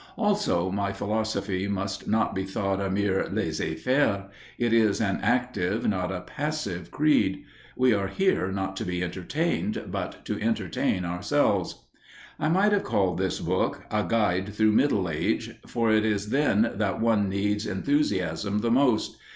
Also my philosophy must not be thought a mere laissez faire; it is an active, not a passive creed. We are here not to be entertained, but to entertain ourselves. I might have called this book A Guide Through Middle Age, for it is then that one needs enthusiasm the most.